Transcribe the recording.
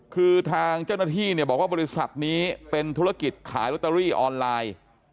คือทางเจ้าหน้าที่เนี่ยบอกว่าบริษัทนี้เป็นธุรกิจขายลอตเตอรี่ออนไลน์